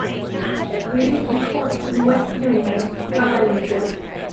Will it be hot in West Union, Malaysia